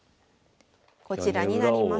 こちらになります。